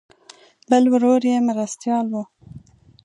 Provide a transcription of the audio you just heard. بل ورور یې مرستیال و.